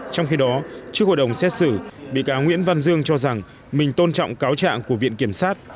trong khi đó trước hội đồng xét xử bị cáo nguyễn văn dương cho rằng mình tôn trọng cáo trạng của viện kiểm sát